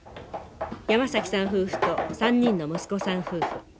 山崎さん夫婦と３人の息子さん夫婦。